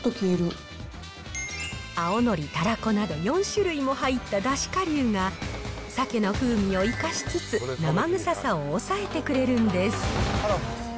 青のり、たらこなど、４種類も入っただしかりゅうがさけの風味を生かしつつ、生臭さを抑えてくれるんです。